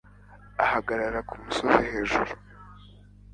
ahagarara ku musozi hejuru